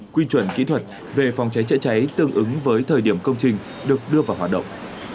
quy chuẩn kỹ thuật về phòng cháy chữa cháy tương ứng với thời điểm công trình được đưa vào hoạt động